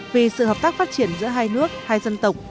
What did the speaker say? vì sự hợp tác phát triển giữa hai nước hai dân tộc